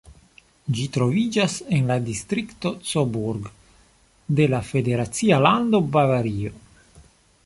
Ĝi troviĝas en la distrikto Coburg de la federacia lando Bavario.